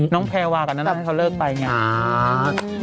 น้องแพรวากันนะให้เขาเลิกไปอย่างนี้